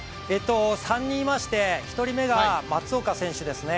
３人いまして１人目が松岡選手ですね。